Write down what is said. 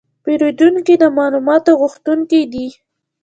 پیرودونکي د معلوماتو غوښتونکي دي.